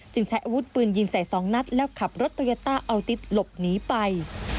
ใช้อาวุธปืนยิงใส่๒นัดแล้วขับรถโตโยต้าอัลติ๊ดหลบหนีไป